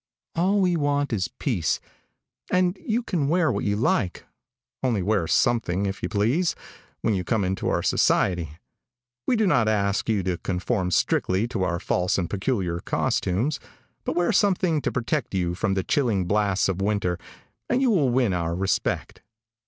All we want is peace, and you can wear what you like, only wear something, if you please, when you come into our society. We do not ask you to conform strictly to our false and peculiar costumes, but wear something to protect you from the chilling blasts of winter and you will win our respect.